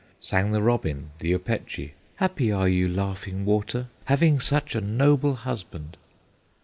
Sang the robin, the Opechee, "Happy are you, Laughing Water, Having such a noble husband!"